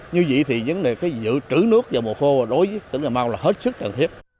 như vậy thì vấn đề dự trữ nước vào mùa khô đối với tỉnh cà mau là hết sức cần thiết